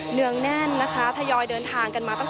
พาคุณผู้ชมไปติดตามบรรยากาศกันที่วัดอรุณราชวรรมหาวิหารค่ะ